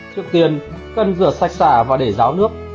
trước tiên cần rửa sạch sả và để ráo nước